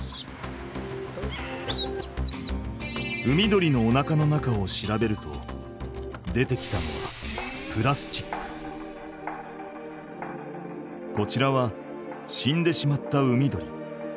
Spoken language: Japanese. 海鳥のおなかの中を調べると出てきたのはこちらは死んでしまった海鳥。